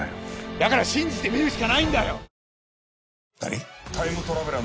だから信じてみるしかないんだよ！